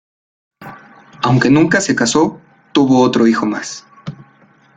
Aunque nunca se casó, tuvo otro hijo más.